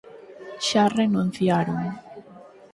Xa renunciaron.